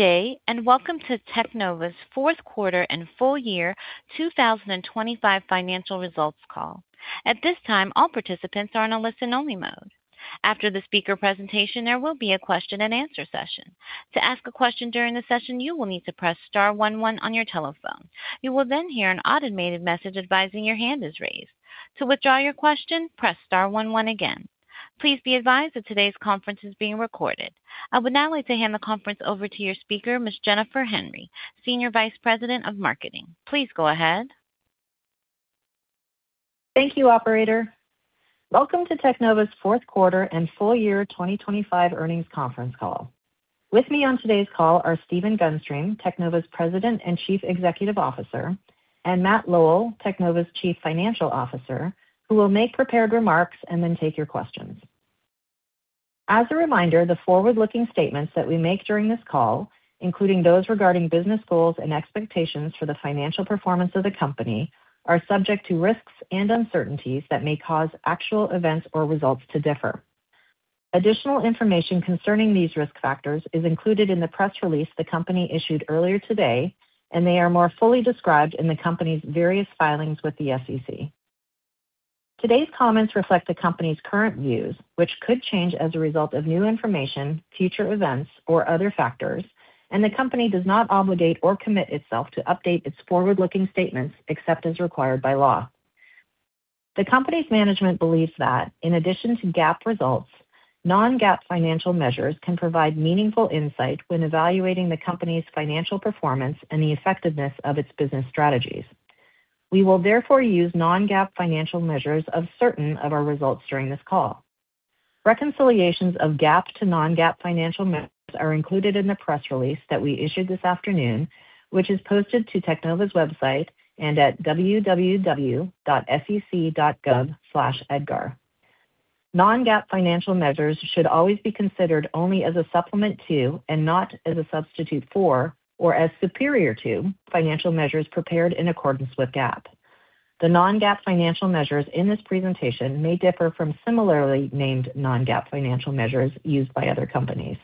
Good day, and welcome to Teknova's Q4 and Full Year 2025 Financial Results Call. At this time, all participants are in a listen-only mode. After the speaker presentation, there will be a question and answer session. To ask a question during the session, you will need to press star one one on your telephone. You will then hear an automated message advising your hand is raised. To withdraw your question, press star one one again. Please be advised that today's conference is being recorded. I would now like to hand the conference over to your speaker, Ms. Jennifer Henry, Senior Vice President of Marketing. Please go ahead. Thank you, operator. Welcome to Teknova's Q4 and Full Year 2025 Earnings Conference Call. With me on today's call are Stephen Gunstream, Teknova's President and Chief Executive Officer; and Matt Lowell, Teknova's Chief Financial Officer, who will make prepared remarks and then take your questions. As a reminder, the forward-looking statements that we make during this call, including those regarding business goals and expectations for the financial performance of the company, are subject to risks and uncertainties that may cause actual events or results to differ. Additional information concerning these risk factors is included in the press release the company issued earlier today. They are more fully described in the company's various filings with the SEC. Today's comments reflect the company's current views, which could change as a result of new information, future events, or other factors. The company does not obligate or commit itself to update its forward-looking statements except as required by law. The company's management believes that in addition to GAAP results, non-GAAP financial measures can provide meaningful insight when evaluating the company's financial performance and the effectiveness of its business strategies. We will therefore use non-GAAP financial measures of certain of our results during this call. Reconciliations of GAAP to non-GAAP financial measures are included in the press release that we issued this afternoon, which is posted to Teknova's website and at www.sec.gov/EDGAR. Non-GAAP financial measures should always be considered only as a supplement to, and not as a substitute for, or as superior to financial measures prepared in accordance with GAAP. The non-GAAP financial measures in this presentation may differ from similarly named non-GAAP financial measures used by other companies.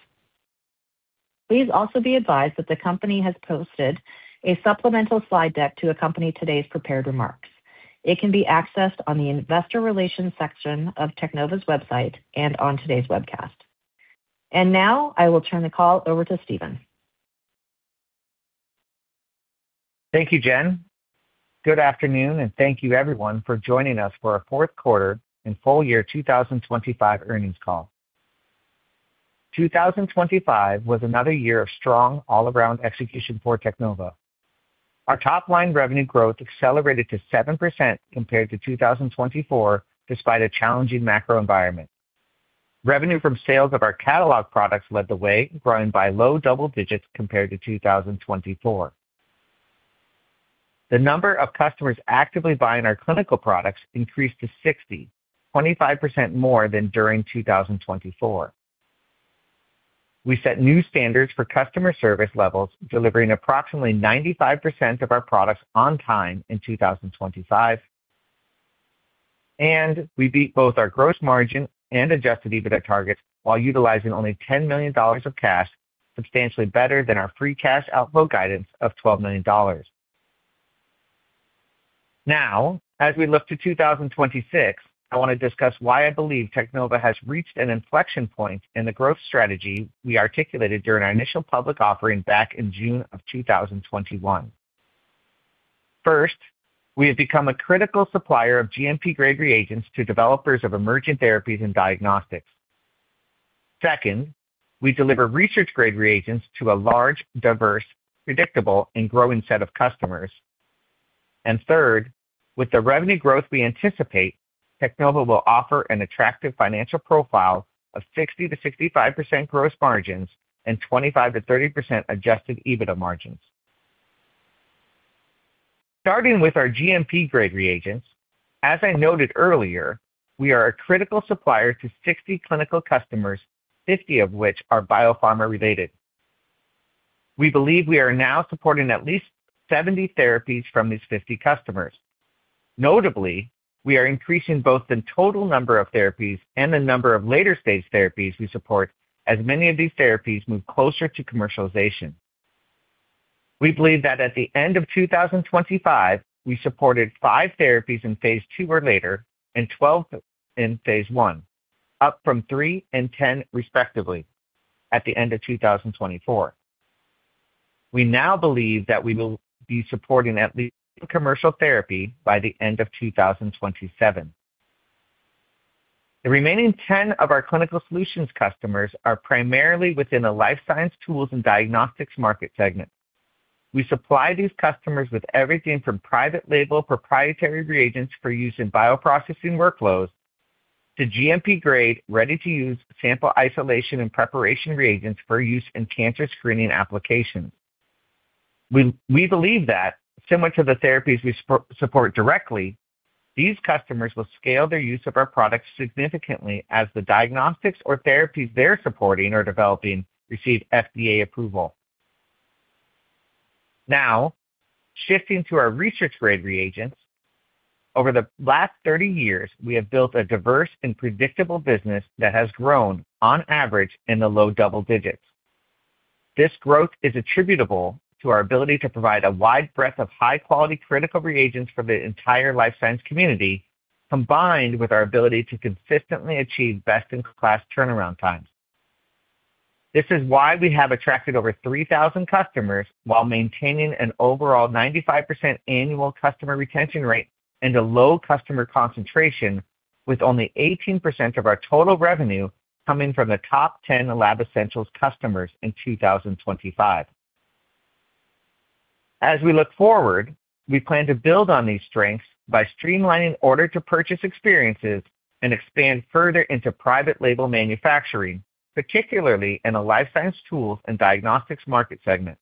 Please also be advised that the company has posted a supplemental slide deck to accompany today's prepared remarks. It can be accessed on the investor relations section of Teknova's website and on today's webcast. Now I will turn the call over to Stephen. Thank you, Jen. Good afternoon, and thank you, everyone, for joining us for our Q4 and full year 2025 earnings call. 2025 was another year of strong all-around execution for Teknova. Our top-line revenue growth accelerated to 7% compared to 2024, despite a challenging macro environment. Revenue from sales of our catalog products led the way, growing by low double digits compared to 2024. The number of customers actively buying our clinical products increased to 60, 25% more than during 2024. We set new standards for customer service levels, delivering approximately 95% of our products on time in 2025. We beat both our gross margin and adjusted EBITDA targets while utilizing only $10 million of cash, substantially better than our free cash outflow guidance of $12 million. Now, as we look to 2026, I want to discuss why I believe Teknova has reached an inflection point in the growth strategy we articulated during our initial public offering back in June 2021. First, we have become a critical supplier of GMP-grade reagents to developers of emergent therapies and diagnostics. Second, we deliver research-grade reagents to a large, diverse, predictable, and growing set of customers. Third, with the revenue growth we anticipate, Teknova will offer an attractive financial profile of 60%-65% gross margins and 25%-30% adjusted EBITDA margins. Starting with our GMP-grade reagents, as I noted earlier, we are a critical supplier to 60 clinical customers, 50 of which are biopharma related. We believe we are now supporting at least 70 therapies from these 50 customers. Notably, we are increasing both the total number of therapies and the number of later-stage therapies we support, as many of these therapies move closer to commercialization. We believe that at the end of 2025, we supported 5 therapies in phase II or later and 12 in phase I, up from III and X, respectively, at the end of 2024. We now believe that we will be supporting at least 1 commercial therapy by the end of 2027. The remaining 10 of our Clinical Solutions customers are primarily within the life science tools and diagnostics market segment. We supply these customers with everything from private label proprietary reagents for use in bioprocessing workflows to GMP grade, ready-to-use sample isolation and preparation reagents for use in cancer screening applications. We believe that similar to the therapies we support directly, these customers will scale their use of our products significantly as the diagnostics or therapies they're supporting or developing receive FDA approval. Shifting to our research-grade reagents. Over the last 30 years, we have built a diverse and predictable business that has grown on average in the low double digits. This growth is attributable to our ability to provide a wide breadth of high-quality critical reagents for the entire life science community, combined with our ability to consistently achieve best-in-class turnaround times. This is why we have attracted over 3,000 customers while maintaining an overall 95% annual customer retention rate and a low customer concentration, with only 18% of our total revenue coming from the top 10 Lab Essentials customers in 2025. As we look forward, we plan to build on these strengths by streamlining order to purchase experiences and expand further into private label manufacturing, particularly in the life science tools and diagnostics market segments.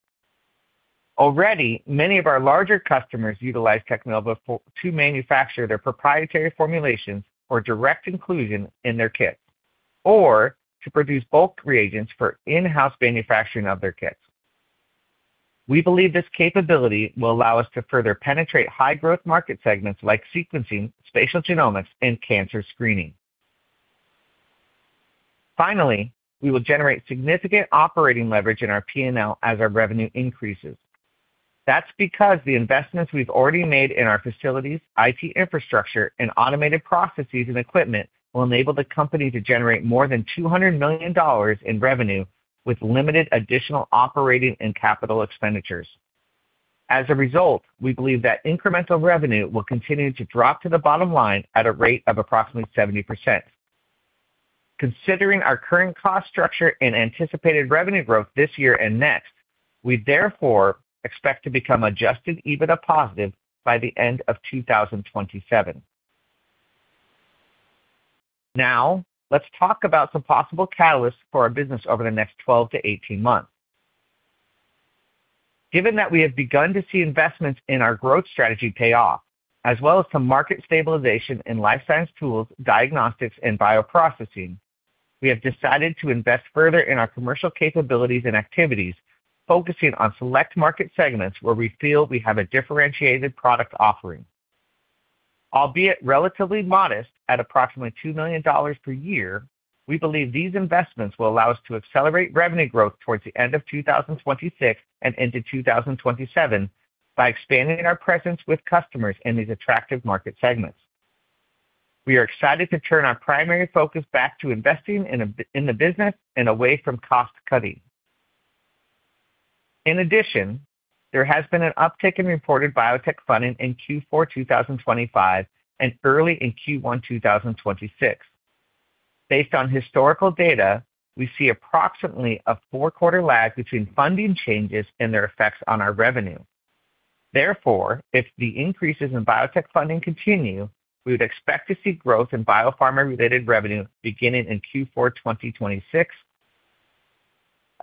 Already, many of our larger customers utilize Teknova to manufacture their proprietary formulations for direct inclusion in their kits or to produce bulk reagents for in-house manufacturing of their kits. We believe this capability will allow us to further penetrate high growth market segments like sequencing, spatial genomics, and cancer screening. We will generate significant operating leverage in our PNL as our revenue increases. That's because the investments we've already made in our facilities, IT infrastructure, and automated processes and equipment will enable the company to generate more than $200 million in revenue with limited additional operating and capital expenditures. As a result, we believe that incremental revenue will continue to drop to the bottom line at a rate of approximately 70%. Considering our current cost structure and anticipated revenue growth this year and next, we therefore expect to become adjusted EBITDA positive by the end of 2027. Now, let's talk about some possible catalysts for our business over the next 12 to 18 months. Given that we have begun to see investments in our growth strategy pay off, as well as some market stabilization in life science tools, diagnostics and bioprocessing, we have decided to invest further in our commercial capabilities and activities, focusing on select market segments where we feel we have a differentiated product offering. Albeit relatively modest at approximately $2 million per year, we believe these investments will allow us to accelerate revenue growth towards the end of 2026 and into 2027 by expanding our presence with customers in these attractive market segments. We are excited to turn our primary focus back to investing in the business and away from cost cutting. There has been an uptick in reported biotech funding in Q4 2025 and early in Q1 2026. Based on historical data, we see approximately a four-quarter lag between funding changes and their effects on our revenue. If the increases in biotech funding continue, we would expect to see growth in biopharma related revenue beginning in Q4 2026.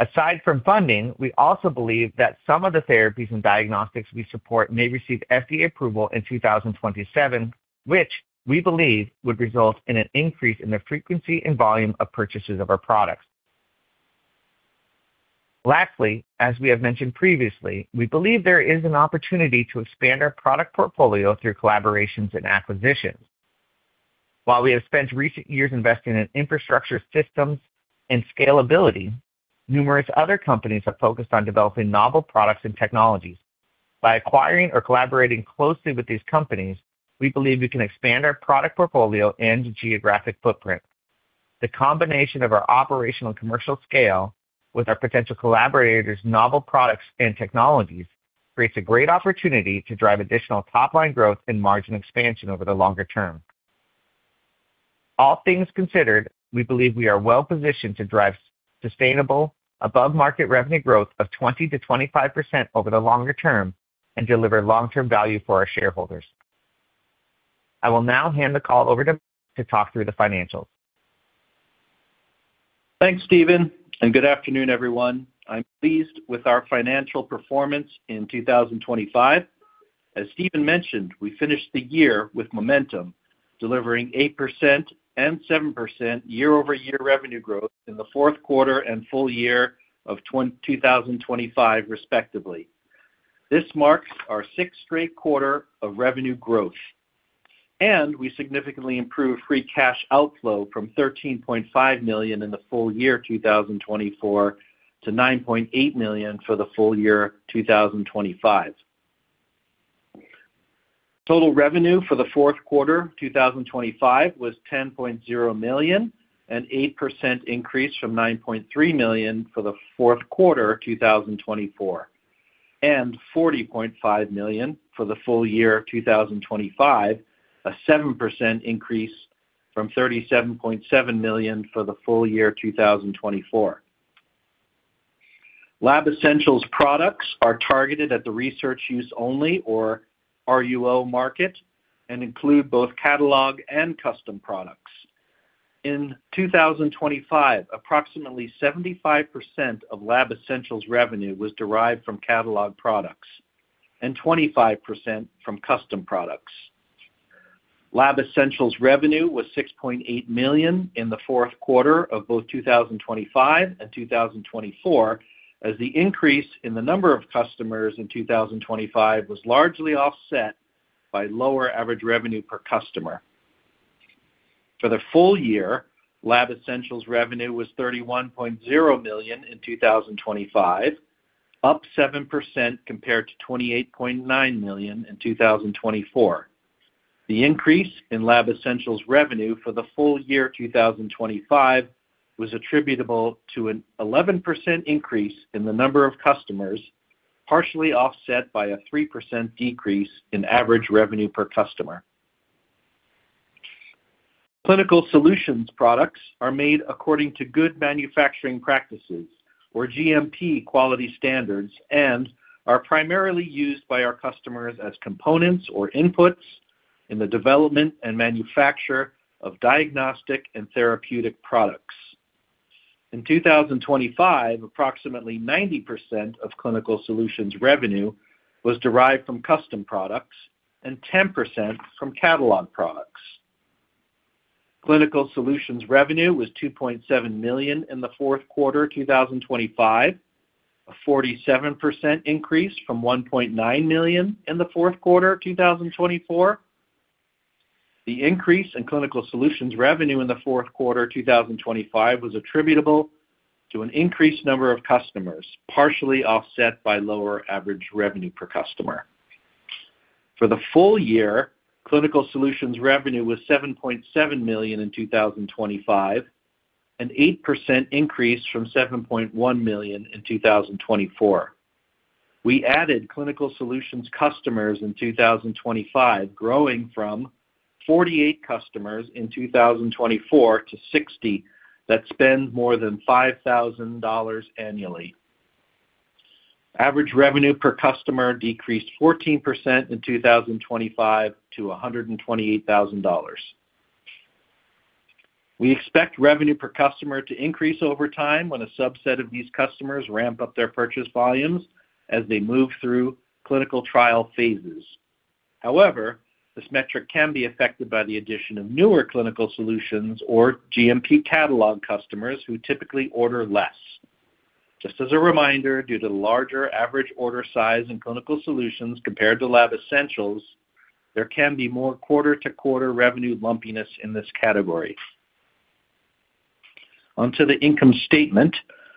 Aside from funding, we also believe that some of the therapies and diagnostics we support may receive FDA approval in 2027, which we believe would result in an increase in the frequency and volume of purchases of our products. Lastly, as we have mentioned previously, we believe there is an opportunity to expand our product portfolio through collaborations and acquisitions. While we have spent recent years investing in infrastructure systems and scalability, numerous other companies have focused on developing novel products and technologies. By acquiring or collaborating closely with these companies, we believe we can expand our product portfolio and geographic footprint. The combination of our operational and commercial scale with our potential collaborators' novel products and technologies creates a great opportunity to drive additional top line growth and margin expansion over the longer term. All things considered, we believe we are well positioned to drive sustainable above market revenue growth of 20%-25% over the longer term and deliver long-term value for our shareholders. I will now hand the call over to Matt to talk through the financials. Thanks, Stephen, good afternoon, everyone. I'm pleased with our financial performance in 2025. As Stephen mentioned, we finished the year with momentum, delivering 8% and 7% year-over-year revenue growth in the Q4 and full year of 2025, respectively. This marks our sixth straight quarter of revenue growth, and we significantly improved free cash outflow from $13.5 million in the full year 2024 to $9.8 million for the full year 2025. Total revenue for the Q4 2025 was $10.0 million, an 8% increase from $9.3 million for the Q4 2024, and $45 million for the full year 2025, a 7% increase from $37.7 million for the full year 2024. Lab Essentials products are targeted at the research use only or RUO market and include both catalog and custom products. In 2025, approximately 75% of Lab Essentials revenue was derived from catalog products and 25% from custom products. Lab Essentials revenue was $6.8 million in the Q4 of both 2025 and 2024, as the increase in the number of customers in 2025 was largely offset by lower average revenue per customer. For the full year, Lab Essentials revenue was $31.0 million in 2025, up 7% compared to $28.9 million in 2024. The increase in Lab Essentials revenue for the full year 2025 was attributable to an 11% increase in the number of customers, partially offset by a 3% decrease in average revenue per customer. Clinical Solutions products are made according to good manufacturing practices or GMP quality standards and are primarily used by our customers as components or inputs in the development and manufacture of diagnostic and therapeutic products. In 2025, approximately 90% of Clinical Solutions revenue was derived from custom products and 10% from catalog products. Clinical Solutions revenue was $2.7 million in the Q4 2025, a 47% increase from $1.9 million in the Q4 of 2024. The increase in Clinical Solutions revenue in the Q4 2025 was attributable to an increased number of customers, partially offset by lower average revenue per customer. For the full year, Clinical Solutions revenue was $7.7 million in 2025, an 8% increase from $7.1 million in 2024. We added Clinical Solutions customers in 2025, growing from 48 customers in 2024 to 60 that spend more than $5,000 annually. Average revenue per customer decreased 14% in 2025 to $128,000. We expect revenue per customer to increase over time when a subset of these customers ramp up their purchase volumes as they move through clinical trial phases. This metric can be affected by the addition of newer Clinical Solutions or GMP catalog customers who typically order less. Just as a reminder, due to larger average order size in Clinical Solutions compared to Lab Essentials, there can be more quarter-to-quarter revenue lumpiness in this category. On to the income statement.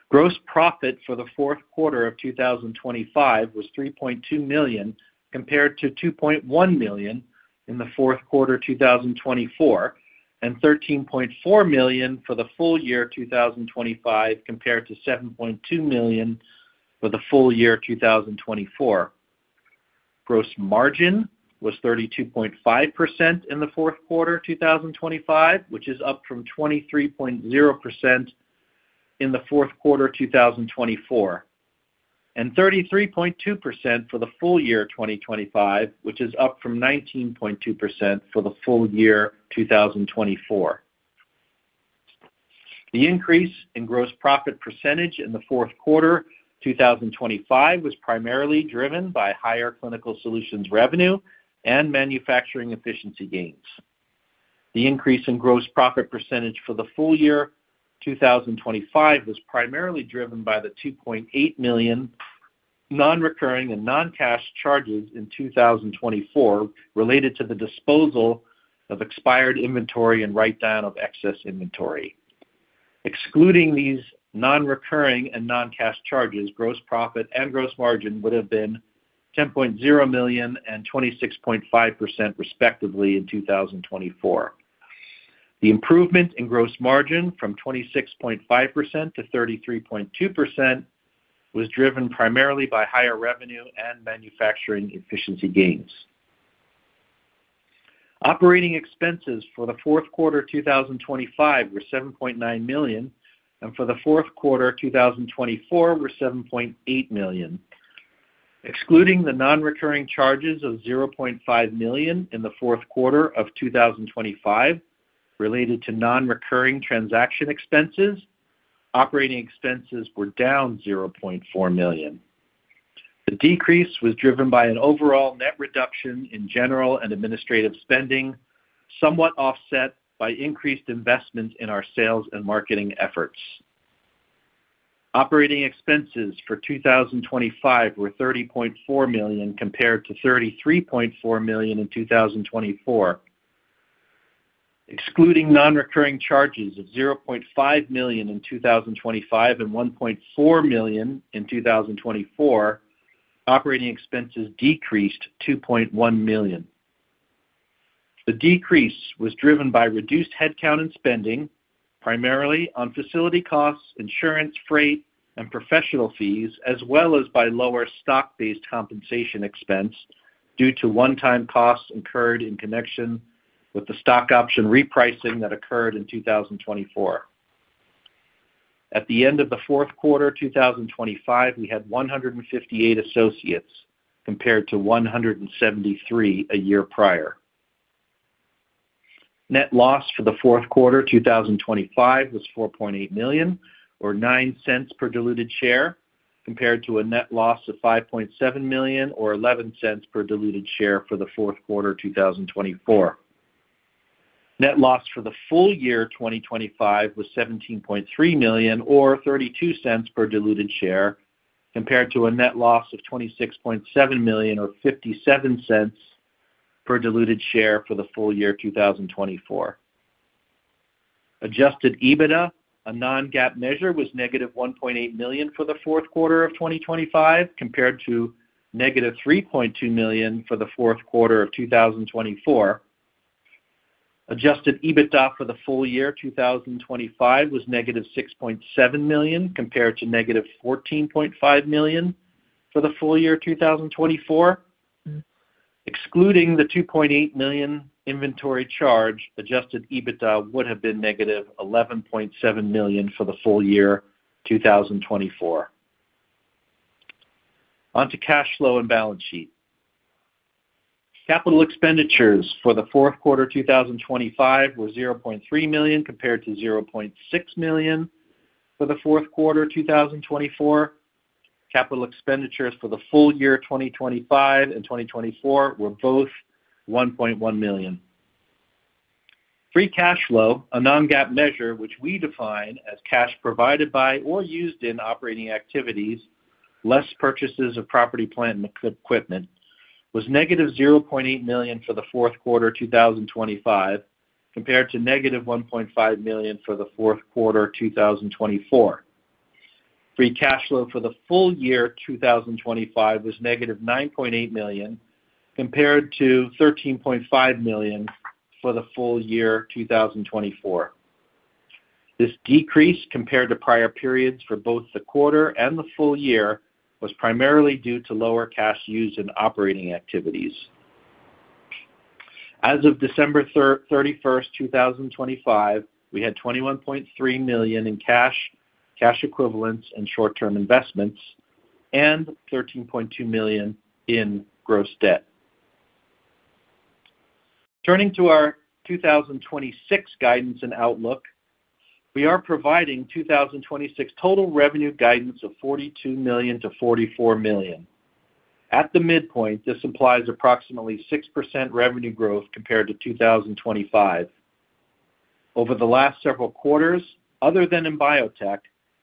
Gross profit for the Q4 of 2025 was $3.2 million, compared to $2.1 million in the Q4 2024, and $13.4 million for the full year 2025, compared to $7.2 million for the full year 2024. Gross margin was 32.5% in the Q4 2025, which is up from 23.0% in the Q4 2024, and 33.2% for the full year 2025, which is up from 19.2% for the full year 2024. The increase in gross profit percentage in the Q4 2025 was primarily driven by higher Clinical Solutions revenue and manufacturing efficiency gains. The increase in gross profit percentage for the full year 2025 was primarily driven by the $2.8 million non-recurring and non-cash charges in 2024 related to the disposal of expired inventory and write-down of excess inventory. Excluding these non-recurring and non-cash charges, gross profit and gross margin would have been $10.0 million and 26.5%, respectively, in 2024. The improvement in gross margin from 26.5% to 33.2% was driven primarily by higher revenue and manufacturing efficiency gains. Operating expenses for the Q4 2025 were $7.9 million and for the Q4 2024 were $7.8 million. Excluding the non-recurring charges of $0.5 million in the Q4 of 2025 related to non-recurring transaction expenses, operating expenses were down $0.4 million. The decrease was driven by an overall net reduction in general and administrative spending, somewhat offset by increased investments in our sales and marketing efforts. Operating expenses for 2025 were $30.4 million compared to $33.4 million in 2024. Excluding non-recurring charges of $0.5 million in 2025 and $1.4 million in 2024, OpEx decreased $2.1 million. The decrease was driven by reduced headcount and spending, primarily on facility costs, insurance, freight, and professional fees, as well as by lower stock-based compensation expense due to one-time costs incurred in connection with the stock option repricing that occurred in 2024. At the end of the Q4 2025, we had 158 associates, compared to 173 a year prior. Net loss for the Q4 2025 was $4.8 million, or $0.09 per diluted share, compared to a net loss of $5.7 million, or $0.11 per diluted share for the Q4 2024. Net loss for the full year 2025 was $17.3 million, or $0.32 per diluted share, compared to a net loss of $26.7 million, or $0.57 per diluted share for the full year 2024. Adjusted EBITDA, a non-GAAP measure, was negative $1.8 million for the Q4 of 2025, compared to negative $3.2 million for the Q4 of 2024. Adjusted EBITDA for the full year 2025 was negative $6.7 million, compared to negative $14.5 million for the full year 2024. Excluding the $2.8 million inventory charge, Adjusted EBITDA would have been negative $11.7 million for the full year 2024. On to cash flow and balance sheet. Capital expenditures for the Q4 2025 were $0.3 million compared to $0.6 million for the Q4 2024. Capital expenditures for the full year 2025 and 2024 were both $1.1 million. Free cash flow, a non-GAAP measure, which we define as cash provided by or used in operating activities, less purchases of property, plant, and equipment, was negative $0.8 million for the Q4 2025, compared to negative $1.5 million for the Q4 2024. Free cash flow for the full year 2025 was negative $9.8 million, compared to $13.5 million for the full year 2024. This decrease compared to prior periods for both the quarter and the full year was primarily due to lower cash used in operating activities. As of December 31st, 2025, we had $21.3 million in cash equivalents, and short-term investments, and $13.2 million in gross debt. Turning to our 2026 guidance and outlook, we are providing 2026 total revenue guidance of $42 million-$44 million. At the midpoint, this implies approximately 6% revenue growth compared to 2025. Over the last several quarters, other than in biotech,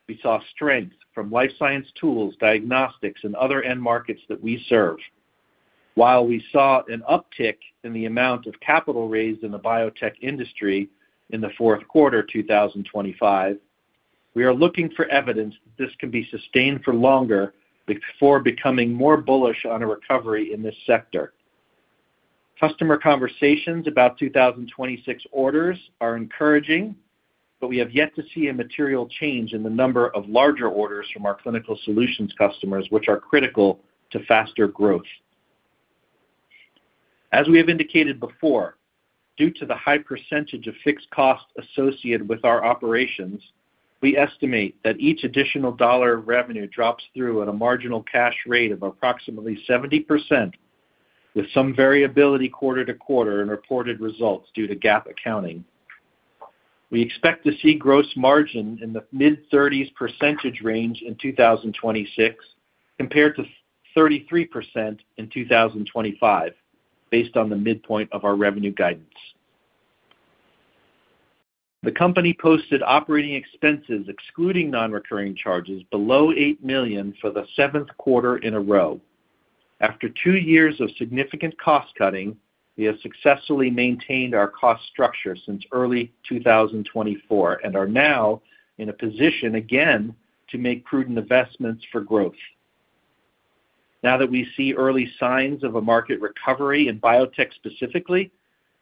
we saw strength from life science tools, diagnostics, and other end markets that we serve. While we saw an uptick in the amount of capital raised in the biotech industry in the Q4 2025, we are looking for evidence that this can be sustained for longer before becoming more bullish on a recovery in this sector. Customer conversations about 2026 orders are encouraging, but we have yet to see a material change in the number of larger orders from our Clinical Solutions customers, which are critical to faster growth. As we have indicated before, due to the high percentage of fixed costs associated with our operations, we estimate that each additional dollar of revenue drops through at a marginal cash rate of approximately 70%, with some variability quarter to quarter in reported results due to GAAP accounting. We expect to see gross margin in the mid-30s percentage range in 2026, compared to 33% in 2025, based on the midpoint of our revenue guidance. The company posted operating expenses excluding non-recurring charges below $8 million for the 7th quarter in a row. After 2 years of significant cost cutting, we have successfully maintained our cost structure since early 2024 and are now in a position again to make prudent investments for growth. Now that we see early signs of a market recovery in biotech specifically,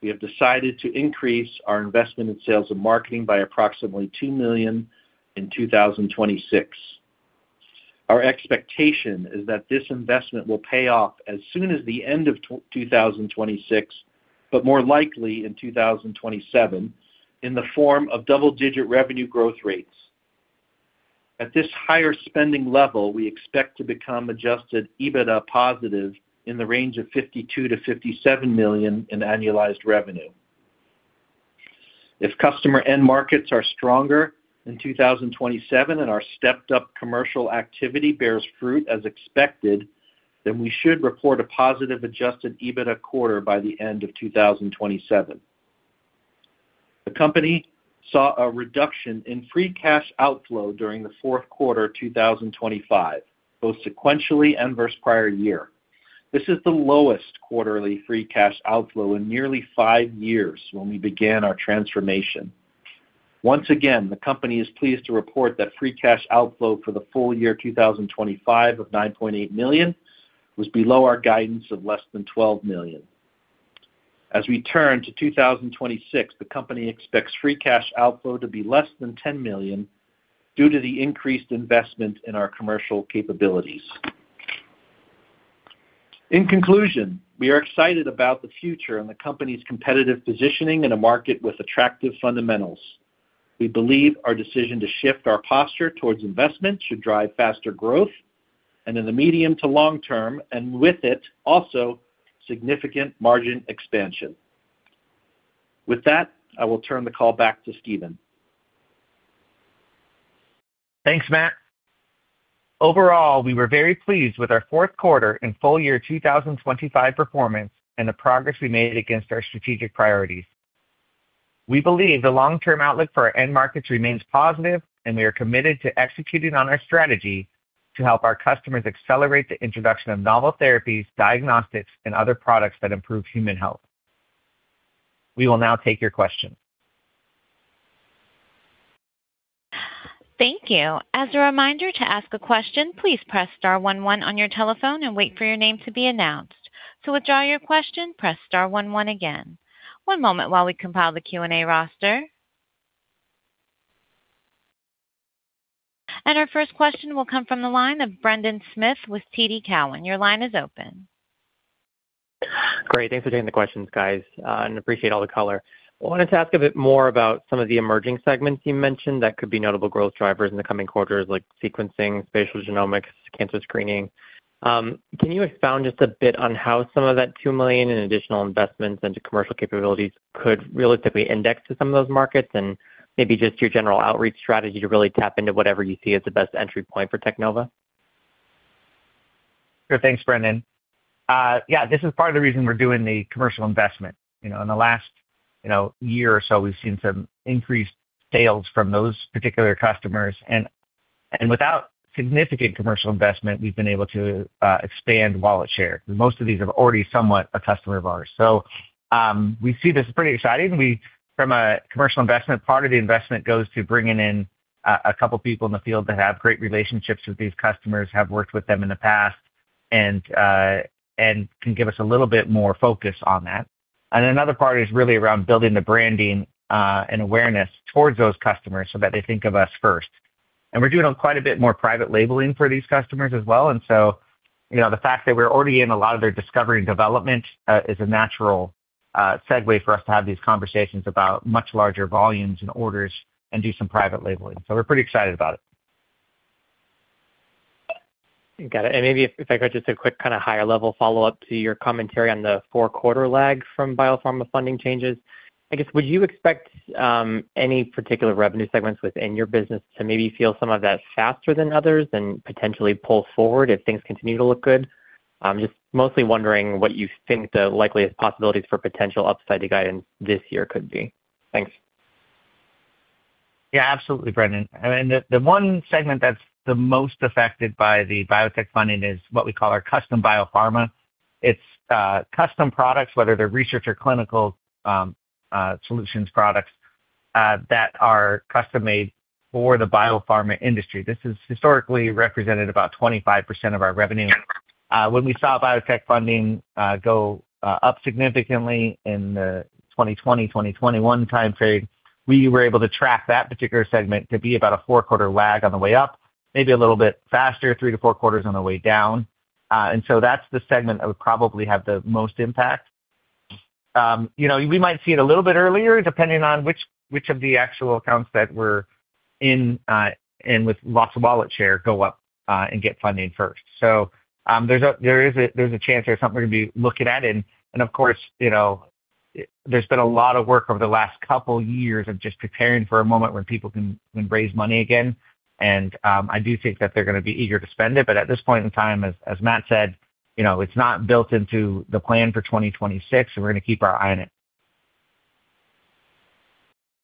we have decided to increase our investment in sales and marketing by approximately $2 million in 2026. Our expectation is that this investment will pay off as soon as the end of 2026, but more likely in 2027, in the form of double-digit revenue growth rates. At this higher spending level, we expect to become adjusted EBITDA positive in the range of $52 million-$57 million in annualized revenue. If customer end markets are stronger in 2027 and our stepped-up commercial activity bears fruit as expected, we should report a positive adjusted EBITDA quarter by the end of 2027. The company saw a reduction in free cash outflow during the Q4 2025, both sequentially and versus prior year. This is the lowest quarterly free cash outflow in nearly 5 years when we began our transformation. Once again, the company is pleased to report that free cash outflow for the full year 2025 of $9.8 million was below our guidance of less than $12 million. We turn to 2026, the company expects free cash outflow to be less than $10 million due to the increased investment in our commercial capabilities. In conclusion, we are excited about the future and the company's competitive positioning in a market with attractive fundamentals. We believe our decision to shift our posture towards investment should drive faster growth and in the medium to long term and with it also significant margin expansion. With that, I will turn the call back to Stephen. Thanks, Matt. Overall, we were very pleased with our Q4 and full year 2025 performance and the progress we made against our strategic priorities. We believe the long-term outlook for our end markets remains positive, and we are committed to executing on our strategy to help our customers accelerate the introduction of novel therapies, diagnostics, and other products that improve human health. We will now take your questions. Thank you. As a reminder to ask a question, please press star one one on your telephone and wait for your name to be announced. To withdraw your question, press star one one again. One moment while we compile the Q&A roster. Our first question will come from the line of Brendan Smith with TD Cowen. Your line is open. Great. Thanks for taking the questions, guys, and appreciate all the color. I wanted to ask a bit more about some of the emerging segments you mentioned that could be notable growth drivers in the coming quarters, like sequencing, spatial genomics, cancer screening. Can you expound just a bit on how some of that $2 million in additional investments into commercial capabilities could realistically index to some of those markets? Maybe just your general outreach strategy to really tap into whatever you see as the best entry point for Teknova. Sure. Thanks, Brendan. Yeah, this is part of the reason we're doing the commercial investment. You know, in the last, you know, year or so, we've seen some increased sales from those particular customers. Without significant commercial investment, we've been able to expand wallet share. Most of these are already somewhat a customer of ours. We see this as pretty exciting. From a commercial investment, part of the investment goes to bringing in a couple of people in the field that have great relationships with these customers, have worked with them in the past and can give us a little bit more focus on that. Another part is really around building the branding and awareness towards those customers so that they think of us first. We're doing quite a bit more private labeling for these customers as well. You know, the fact that we're already in a lot of their discovery and development is a natural segue for us to have these conversations about much larger volumes and orders and do some private labeling. We're pretty excited about it. Got it. Maybe if I could, just a quick kind of higher level follow-up to your commentary on the four-quarter lag from biopharma funding changes. Would you expect any particular revenue segments within your business to maybe feel some of that faster than others and potentially pull forward if things continue to look good? I'm just mostly wondering what you think the likeliest possibilities for potential upside to guidance this year could be. Thanks. Yeah, absolutely, Brendan. I mean, the one segment that's the most affected by the biotech funding is what we call our custom biopharma. It's custom products, whether they're research or clinical solutions products, that are custom made for the biopharma industry. This has historically represented about 25% of our revenue. When we saw biotech funding go up significantly in the 2020, 2021 time frame, we were able to track that particular segment to be about a 4-quarter lag on the way up, maybe a little bit faster, 3-4 quarters on the way down. That's the segment that would probably have the most impact. You know, we might see it a little bit earlier, depending on which of the actual accounts that we're in with lots of wallet share go up and get funding first. There's a chance there's something to be looking at. Of course, you know, there's been a lot of work over the last couple years of just preparing for a moment when people can raise money again. I do think that they're gonna be eager to spend it. At this point in time, as Matt said, you know, it's not built into the plan for 2026, and we're gonna keep our eye on it.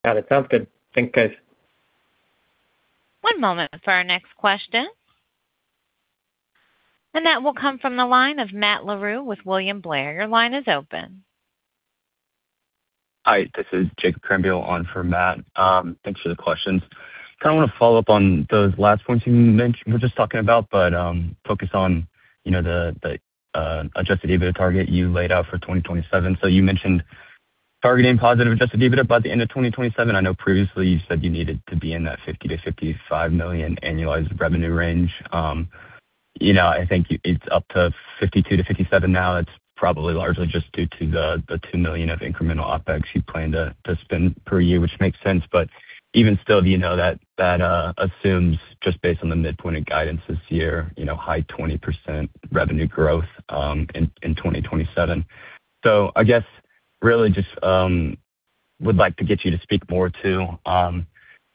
Got it. Sounds good. Thanks, guys. One moment for our next question. That will come from the line of Matt Larew with William Blair. Your line is open. Hi, this is Jacob Krahenbuhl on for Matt. Thanks for the questions. Kinda wanna follow up on those last points you were just talking about, but focus on the adjusted EBITDA target you laid out for 2027. You mentioned targeting positive adjusted EBITDA by the end of 2027. I know previously you said you needed to be in that $50 million-$55 million annualized revenue range. I think it's up to $52 million-$57 million now. It's probably largely just due to the $2 million of incremental OpEx you plan to spend per year, which makes sense. Even still, that assumes just based on the midpoint of guidance this year, high 20% revenue growth in 2027. I guess really just, would like to get you to speak more to,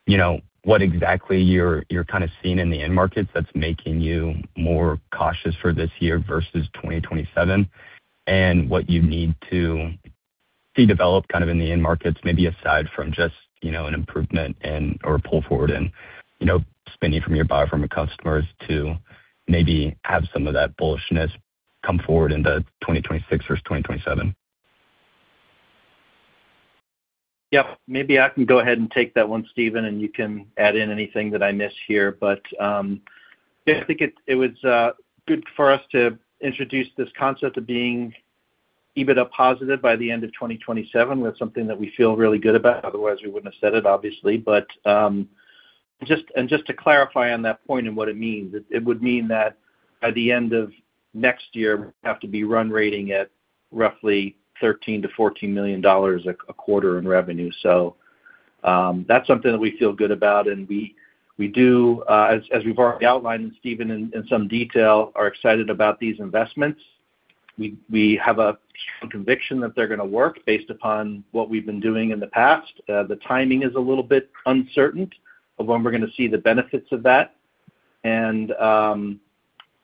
you know, what exactly you're kinda seeing in the end markets that's making you more cautious for this year versus 2027, and what you need to see develop kind of in the end markets, maybe aside from just, you know, an improvement or pull forward and, you know, spending from your biopharma customers to maybe have some of that bullishness come forward into 2026 versus 2027. Yeah. Maybe I can go ahead and take that one, Stephen, and you can add in anything that I miss here. Yeah, I think it was good for us to introduce this concept of being EBITDA positive by the end of 2027. That's something that we feel really good about, otherwise we wouldn't have said it, obviously. But, um Just to clarify on that point and what it means, it would mean that by the end of next year, we have to be run rating at roughly $13 million-$14 million a quarter in revenue. That's something that we feel good about, and we do, as we've already outlined, Stephen, in some detail, are excited about these investments. We have a strong conviction that they're going to work based upon what we've been doing in the past. The timing is a little bit uncertain of when we're going to see the benefits of that.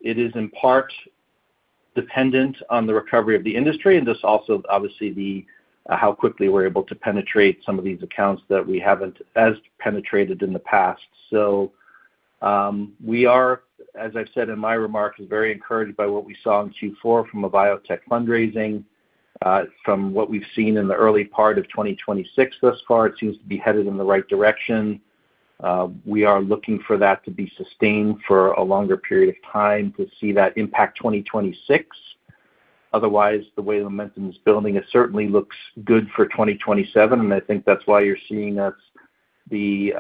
It is in part dependent on the recovery of the industry and just also obviously how quickly we're able to penetrate some of these accounts that we haven't as penetrated in the past. We are, as I've said in my remarks, very encouraged by what we saw in Q4 from a biotech fundraising. From what we've seen in the early part of 2026 thus far, it seems to be headed in the right direction. We are looking for that to be sustained for a longer period of time to see that impact 2026. The way the momentum is building, it certainly looks good for 2027. I think that's why you're seeing us be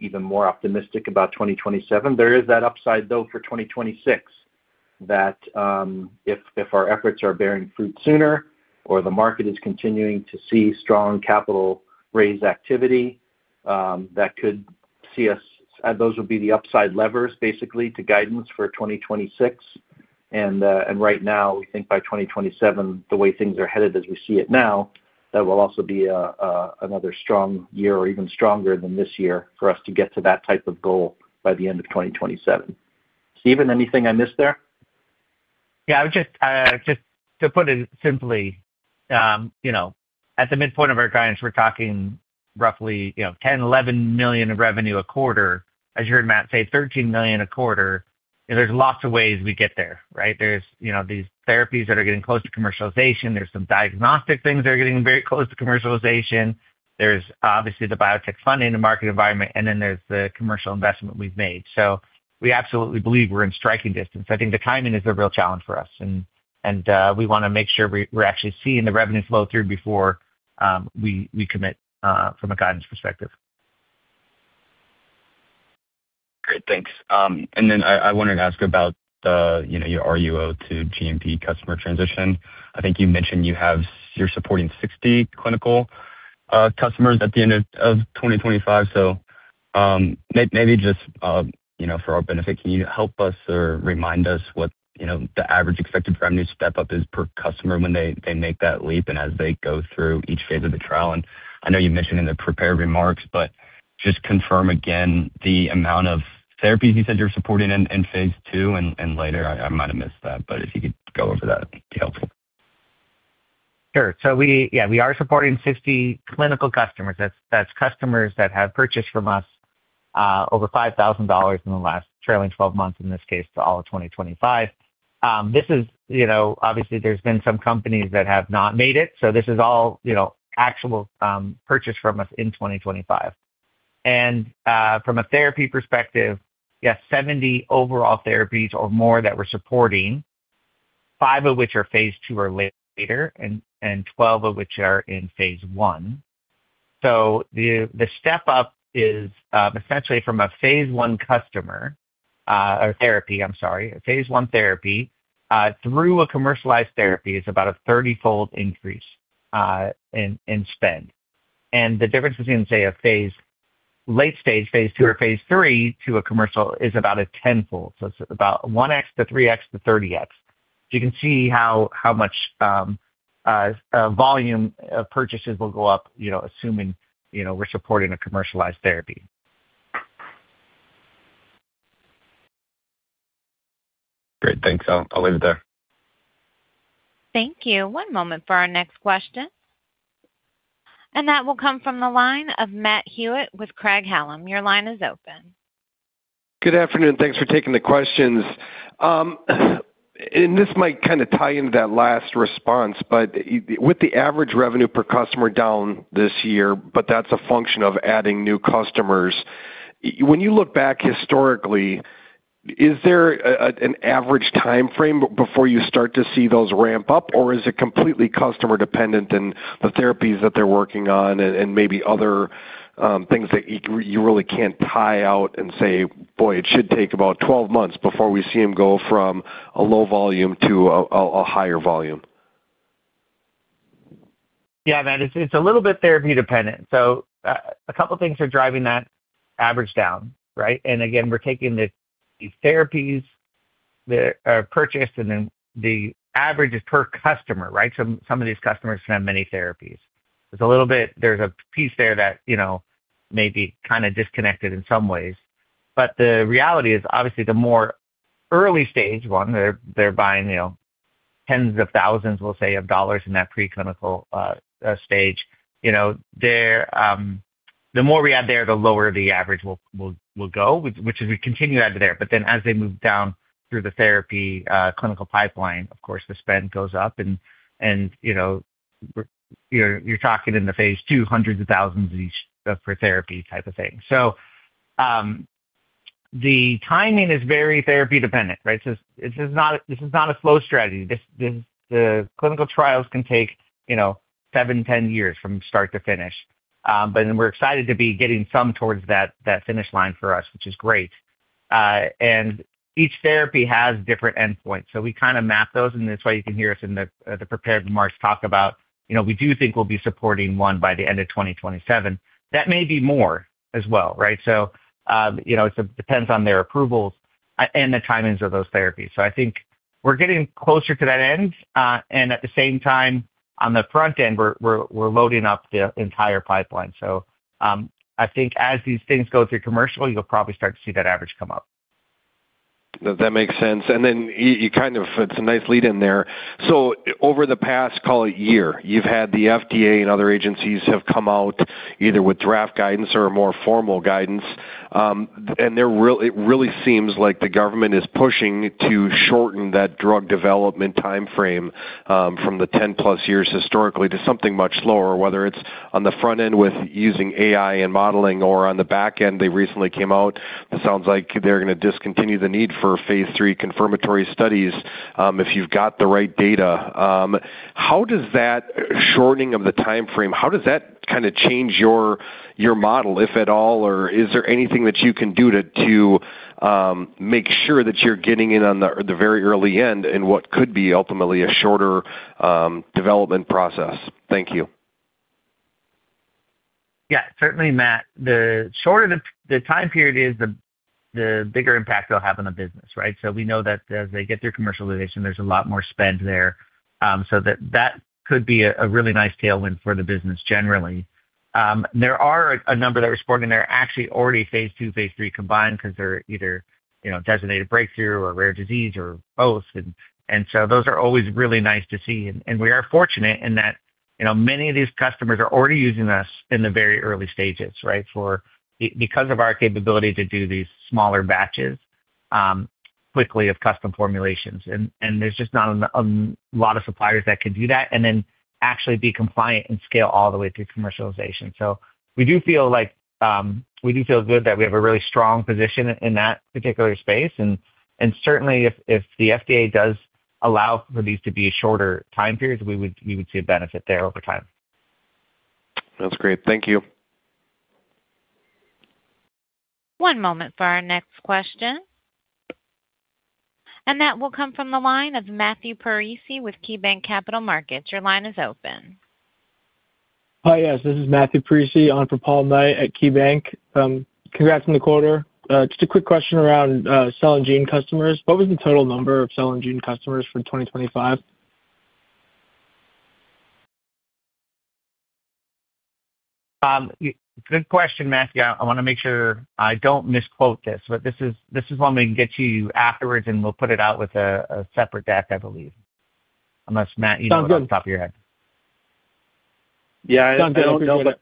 even more optimistic about 2027. There is that upside, though, for 2026 that, if our efforts are bearing fruit sooner or the market is continuing to see strong capital raise activity, Those would be the upside levers basically to guidance for 2026. Right now, we think by 2027, the way things are headed as we see it now, that will also be another strong year or even stronger than this year for us to get to that type of goal by the end of 2027. Stephen, anything I missed there? Yeah. I would just to put it simply, at the midpoint of our guidance, we're talking roughly $10 million-$11 million of revenue a quarter. As you heard Matt say, $13 million a quarter. There's lots of ways we get there, right? There's these therapies that are getting close to commercialization. There's some diagnostic things that are getting very close to commercialization. There's obviously the biotech funding, the market environment, and then there's the commercial investment we've made. We absolutely believe we're in striking distance. I think the timing is a real challenge for us and we want to make sure we're actually seeing the revenue flow through before we commit from a guidance perspective. Great. Thanks. I wanted to ask about, you know, your RUO to GMP customer transition. I think you mentioned you're supporting 60 clinical customers at the end of 2025. Maybe just, you know, for our benefit, can you help us or remind us what, you know, the average expected revenue step-up is per customer when they make that leap and as they go through each phase of the trial? I know you mentioned in the prepared remarks, but just confirm again the amount of therapies you said you're supporting in phase II and later. I might have missed that, but if you could go over that, it'd be helpful. Sure. Yeah, we are supporting 60 clinical customers. That's customers that have purchased from us over $5,000 in the last trailing 12 months, in this case to all of 2025. This is, you know, obviously there's been some companies that have not made it, so this is all, you know, actual purchase from us in 2025. From a therapy perspective, yeah, 70 overall therapies or more that we're supporting, five of which are Phase II or later, and 12 of which are in phase I. The step up is essentially from a phase I customer, or therapy, I'm sorry, a phase I therapy through a commercialized therapy is about a 30-fold increase in spend. The difference between, say, a late phase II or phase III to a commercial is about a 10-fold. It's about 1x to 3x to 30x. You can see how much volume of purchases will go up, you know, assuming, you know, we're supporting a commercialized therapy. Great. Thanks. I'll leave it there. Thank you. One moment for our next question. That will come from the line of Matt Hewitt with Craig-Hallum. Your line is open. Good afternoon. Thanks for taking the questions. This might kind of tie into that last response, but with the average revenue per customer down this year, but that's a function of adding new customers. When you look back historically, is there an average time frame before you start to see those ramp up, or is it completely customer dependent and the therapies that they're working on and maybe other things that you really can't tie out and say, "Boy, it should take about 12 months before we see them go from a low volume to a higher volume"? Yeah. Matt, it's a little bit therapy dependent. A couple things are driving that average down, right? Again, we're taking these therapies that are purchased and then the average is per customer, right? Some of these customers can have many therapies. There's a piece there that, you know, may be kind of disconnected in some ways. The reality is obviously the more early phase I, they're buying, you know, tens of thousands, we'll say, of dollars in that preclinical stage. You know, they're, the more we add there, the lower the average will go, which is we continue to add to there. As they move down through the therapy, clinical pipeline, of course the spend goes up and, you know, you're talking in the Phase II hundreds of thousands each for therapy type of thing. The timing is very therapy dependent, right? This is not, this is not a slow strategy. The clinical trials can take, you know, 7, 10 years from start to finish. We're excited to be getting some towards that finish line for us, which is great. Each therapy has different endpoints, so we kind of map those, and that's why you can hear us in the prepared remarks talk about, you know, we do think we'll be supporting one by the end of 2027. That may be more as well, right? You know, it depends on their approvals, and the timings of those therapies. I think we're getting closer to that end. At the same time, on the front end, we're loading up the entire pipeline. I think as these things go through commercial, you'll probably start to see that average come up. That makes sense. Then you, it's a nice lead in there. Over the past, call it year, you've had the FDA and other agencies have come out either with draft guidance or more formal guidance. It really seems like the government is pushing to shorten that drug development time frame from the 10+ years historically to something much lower, whether it's on the front end with using AI and modeling or on the back end. They recently came out, it sounds like they're going to discontinue the need for phase III confirmatory studies, if you've got the right data. How does that shortening of the time frame, how does that kind of change your model, if at all? Is there anything that you can do to make sure that you're getting in on the very early end in what could be ultimately a shorter development process? Thank you. Yeah, certainly, Matt. The shorter the time period is, the bigger impact it'll have on the business, right? We know that as they get through commercialization, there's a lot more spend there. That could be a really nice tailwind for the business generally. There are a number that we're supporting there, actually already phase II, phase III combined, because they're either, you know, designated breakthrough or rare disease or both. Those are always really nice to see. We are fortunate in that, you know, many of these customers are already using us in the very early stages, right? Because of our capability to do these smaller batches, quickly of custom formulations. There's just not a lot of suppliers that can do that and then actually be compliant and scale all the way through commercialization. We do feel like we do feel good that we have a really strong position in that particular space. Certainly if the FDA does allow for these to be a shorter time periods, we would see a benefit there over time. That's great. Thank you. One moment for our next question. That will come from the line of Matthew Parisi with KeyBanc Capital Markets. Your line is open. Hi, yes, this is Matthew Parisi on for Paul Knight at KeyBanc. congrats on the quarter. just a quick question around cell and gene customers. What was the total number of cell and gene customers for 2025? Good question, Matthew. I want to make sure I don't misquote this, but this is one we can get to you afterwards, and we'll put it out with a separate deck, I believe. Unless, Matt, you know it off the top of your head. Yeah, I don't know, but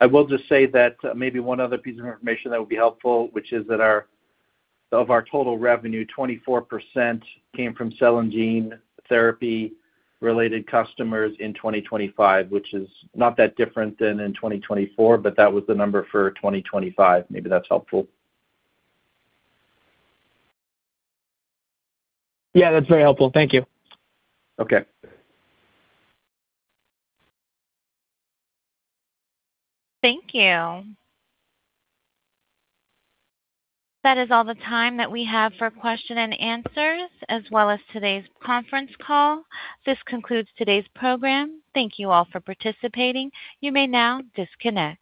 I will just say that maybe one other piece of information that would be helpful, which is that of our total revenue, 24% came from cell and gene therapy-related customers in 2025, which is not that different than in 2024, but that was the number for 2025. Maybe that's helpful. Yeah, that's very helpful. Thank you. Okay. Thank you. That is all the time that we have for question and answers as well as today's conference call. This concludes today's program. Thank you all for participating. You may now disconnect.